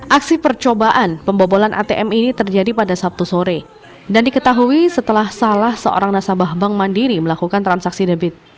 aksi percobaan pembobolan atm ini terjadi pada sabtu sore dan diketahui setelah salah seorang nasabah bank mandiri melakukan transaksi debit